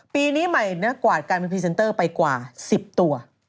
ปีนี้ใหม่กวาดการเป็นพรีเซนเตอร์ไปกว่า๑๐ตัว